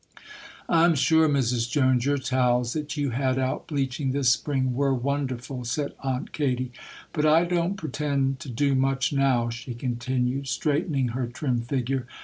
'I'm sure, Mrs. Jones, your towels that you had out bleaching, this spring, were wonderful,' said Aunt Katy. 'But I don't pretend to do much now,' she continued, straightening her trim figure.